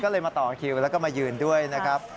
ก็เลยมาต่อคิวแล้วก็มายืนด้วยนะครับ